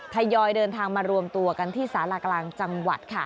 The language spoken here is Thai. ทยอยเดินทางมารวมตัวกันที่สารากลางจังหวัด